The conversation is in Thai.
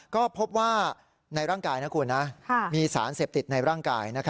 ก็พบว่าในร่างกายนะคุณมีสารเสพติดในร่างกาย